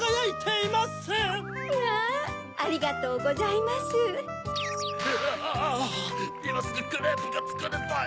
いますぐクレープがつくりたい！